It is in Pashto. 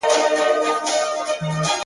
څو ساعته به په غار کي پټ وو غلی -